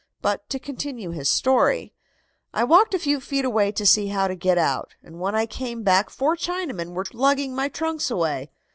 But to continue his story: "I walked a few feet away to see how to get out, and when I came back four Chinamen were lugging my trunks away.